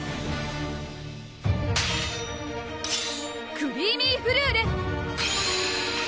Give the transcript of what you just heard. クリーミーフルーレ！